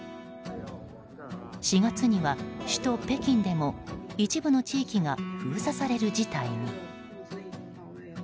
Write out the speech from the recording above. ４月には首都・北京でも一部の地域が封鎖される事態に。